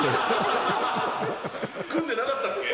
組んでなかったっけ？